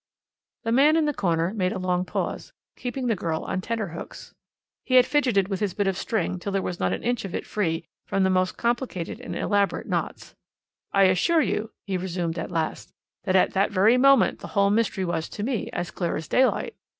The man in the corner made a long pause, keeping the girl on tenterhooks. He had fidgeted with his bit of string till there was not an inch of it free from the most complicated and elaborate knots. "I assure you," he resumed at last, "that at that very moment the whole mystery was, to me, as clear as daylight.